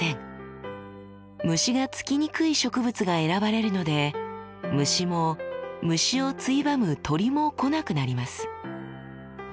虫がつきにくい植物が選ばれるので虫も虫をついばむ鳥も来なくなります。